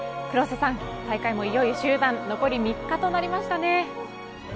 黒瀬さん、大会もいよいよ終盤残り３日となりましたね。